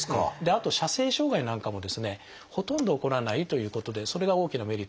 あと射精障害なんかもですねほとんど起こらないということでそれが大きなメリットの一つです。